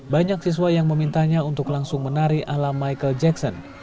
banyak siswa yang memintanya untuk langsung menari ala michael jackson